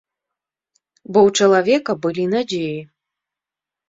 Бо ў чалавека былі надзеі.